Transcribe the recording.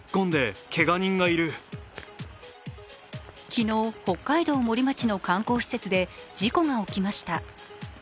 昨日、北海道森町の観光施設で事故が起きました。